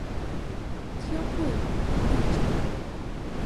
天会五年历成。